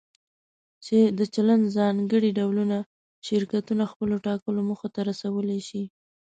چې د چلند ځانګړي ډولونه شرکتونه خپلو ټاکلو موخو ته رسولی شي.